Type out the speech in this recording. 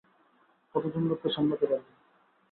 কতজন লোককে সামলাতে পারবি?